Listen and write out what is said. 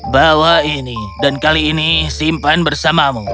bawa ini dan kali ini simpan bersamamu